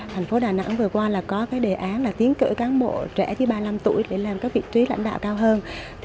thành phố đà nẵng vừa qua có đề án tiến cử cán bộ trẻ dưới ba mươi năm tuổi để làm các vị trí lãnh đạo cao hơn